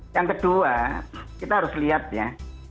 yang kedua kita harus lihat ya